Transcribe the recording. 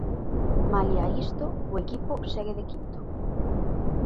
Malia a isto, o equipo segue de quinto.